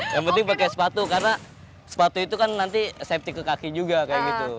yang penting pakai sepatu karena sepatu itu kan nanti safety ke kaki juga kayak gitu